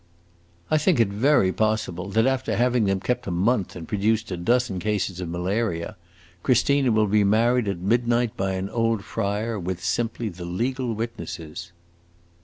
I think it very possible that after having kept them a month and produced a dozen cases of malaria, Christina will be married at midnight by an old friar, with simply the legal witnesses."